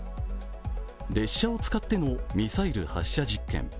列車を使ってのミサイル発射実験。